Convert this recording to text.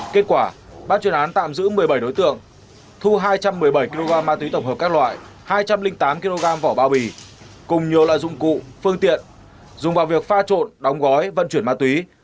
kết quả ban chuyên án tạm giữ một mươi bảy đối tượng thu hai trăm một mươi bảy kg ma túy tổng hợp các loại hai trăm linh tám kg vỏ bao bì cùng nhiều loại dụng cụ phương tiện dùng vào việc pha trộn đóng gói vận chuyển ma túy